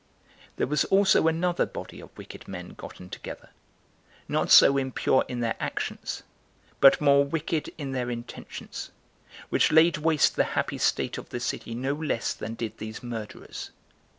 4. There was also another body of wicked men gotten together, not so impure in their actions, but more wicked in their intentions, which laid waste the happy state of the city no less than did these murderers.